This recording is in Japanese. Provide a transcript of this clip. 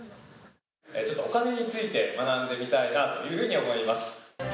ちょっとお金について学んでみたいなというふうに思います。